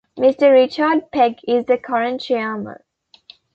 Mr Richard Pegg is the current Chairman.